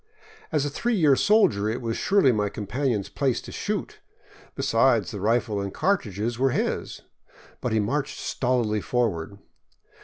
As a three year soldier it was surely my companion's place to shoot; besides, the rifle and cartridges were his. But he marched stolidly forward.